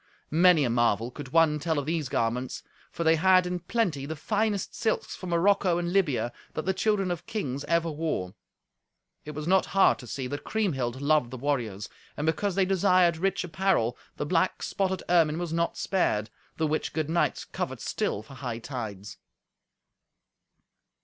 Many a marvel could one tell of these garments. For they had, in plenty, the finest silks from Morocco and Libya that the children of kings ever wore. It was not hard to see that Kriemhild loved the warriors. And because they desired rich apparel, the black spotted ermine was not spared, the which good knights covet still for hightides.